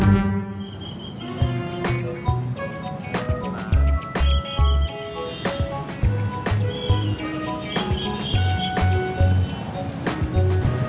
gak ada pok